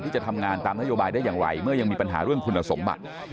จะทำงานตามนโยบายได้อย่างไรเมื่อยังมีปัญหาเรื่องคุณสมบัติ